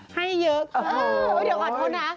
ให้เยอะโอ้โหเดี๋ยวก่อนทุนนะ